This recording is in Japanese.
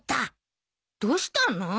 どうしたの？